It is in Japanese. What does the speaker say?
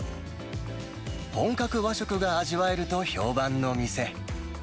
本格和食が味わえると評判の店。